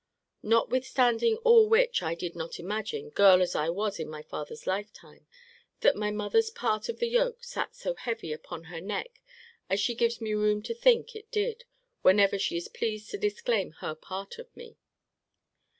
Notwithstanding all which, I did not imagine, girl as I was in my father's life time, that my mother's part of the yoke sat so heavy upon her neck as she gives me room to think it did, whenever she is pleased to disclaim her part of me.